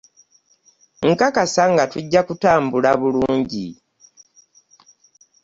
Nkakasa nga tujja kutambula bulungi.